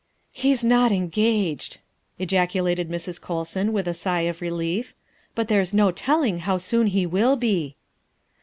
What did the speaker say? " He's not engaged," ejaculated Mrs. Colson with a sigh of relief, " but there is no telling how soon he will be."